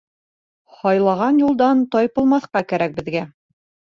Һайлаған юлдан тайпылмаҫҡа кәрәк беҙгә.